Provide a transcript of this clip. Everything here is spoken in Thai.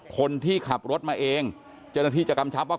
คนที่ขับรถมาเองเจ้าหน้าที่จะกำชับว่า